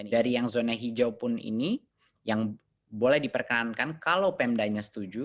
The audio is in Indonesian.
dari yang zona hijau pun ini yang boleh diperkenankan kalau pemdanya setuju